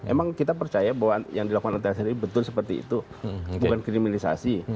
emang kita percaya bahwa yang dilakukan oleh tni betul seperti itu bukan kriminalisasi